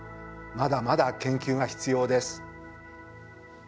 まだまだ研究が必要です。